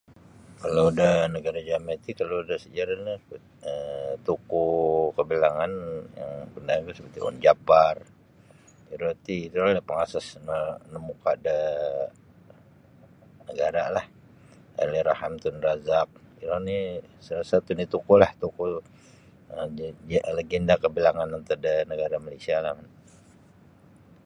Kalau da nagara jami ti kalau da sajarah no um tokoh kabilangan um [unintelligible] Onn Jaafar iro ti iro no pangasas na-namuka da nagara lah Allahyarham Tun Razak iro ni salah satunya tokoh lah tokoh um lagenda kabilangan antad da nagara Malaysia lah.